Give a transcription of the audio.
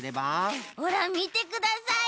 ほらみてください！